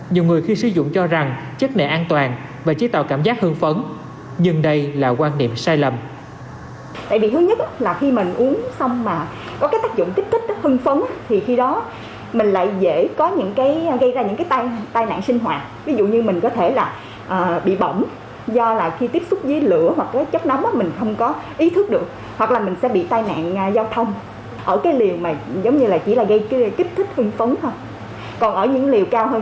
nhiều người khi sử dụng cho rằng chất này an toàn và chế tạo cảm giác hương phấn nhưng đây là quan điểm sai lầm